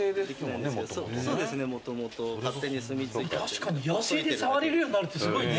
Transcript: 確かに野生で触れるようになるってすごいね。